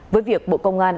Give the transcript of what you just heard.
với việc bộ công an